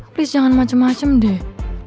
please jangan macem macem deh